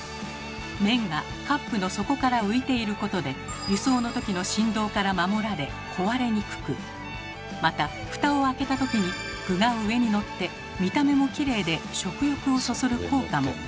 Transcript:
麺がカップの底から浮いていることで輸送の時の振動から守られ壊れにくくまた蓋を開けた時に具が上にのって見た目もきれいで食欲をそそる効果も。